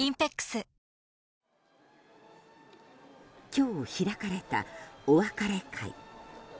今日開かれたお別れ会。